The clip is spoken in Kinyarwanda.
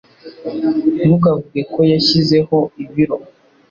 Ntukavuge ko yashyizeho ibiro.